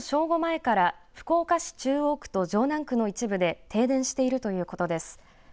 午前から福岡市中央区と城南区の一部で停電しているということです。